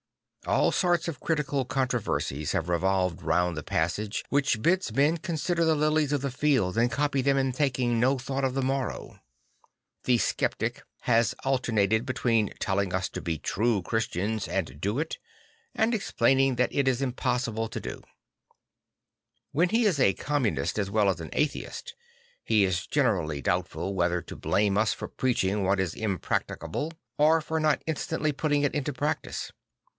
All sorts of critical controversies have revolved round the passage which bids men consider the lilies of the field and copy them in taking no though t for the morrow. The sceptic has alter 'I he Ai irror of Christ 137 nated between telling us to be true Christians and do it, and explaining that it is impossible to do. When he is a communist as well as an atheist, he is generally doubtful whether to blame us for preaching what is impracticable or for not instantly putting it into practice.